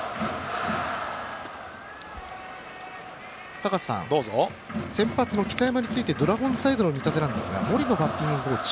高瀬さん、先発の北山についてドラゴンズサイドの見立てですが森野バッティングコーチ